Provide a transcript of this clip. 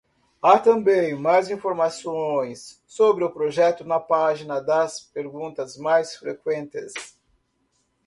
Há também mais informações sobre o projeto na página das perguntas mais frequentes.